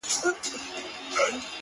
ما د دريم ژوند وه اروا ته سجده وکړه ـ